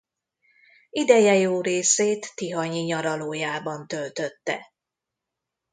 Ideje jó részét tihanyi nyaralójában töltötte.